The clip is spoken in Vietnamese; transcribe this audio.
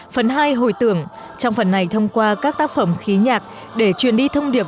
phần hai hồi tưởng trong phần này thông qua các tác phẩm khí nhạc để truyền đi thông điệp